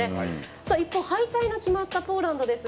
さあ、一方、敗退の決まったポーランドですが